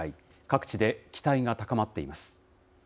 各地で期待が高まっています。